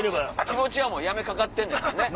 気持ちはもう辞めかかってんねんもんね。